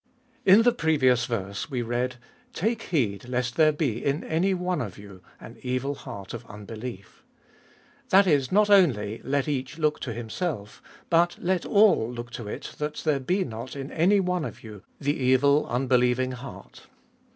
IN the previous verse we read, " Take heed lest there be in any one of you an evil heart of unbelief." That is not only, let each one look to himself, but let all look to it that there be not in any one of you the evil unbelieving heart.